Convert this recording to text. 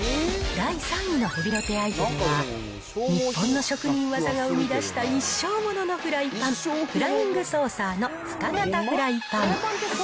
第３位のヘビロテアイテムは、日本の職人技が生み出した一生もののフライパン、フライングソーサーの深型フライパン。